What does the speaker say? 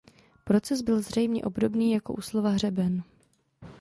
Proces byl zřejmě obdobný jako u slova "hřeben".